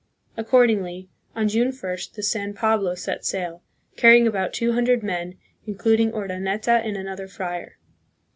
Accordingly on June 1st the " San Pablo " set sail, carrying about two hundred men, including Urdaneta and another friar.